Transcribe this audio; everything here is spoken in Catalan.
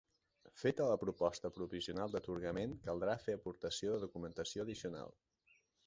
Feta la proposta provisional d'atorgament caldrà fer aportació de documentació addicional.